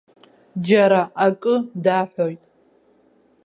Џьара акы даҳәоит.